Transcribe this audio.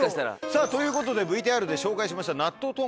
さぁということでＶＴＲで紹介しました納豆トンカツ。